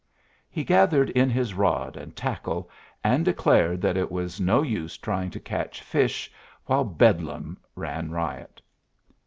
he gathered in his rod and tackle, and declared that it was no use trying to catch fish while Bedlam ran riot.